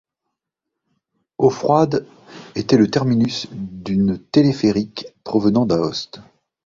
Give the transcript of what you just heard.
Eaux-Froides était le terminus d'une téléphérique provenant d'Aoste.